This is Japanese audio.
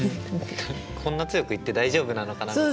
こんな強く言って大丈夫なのかなとか。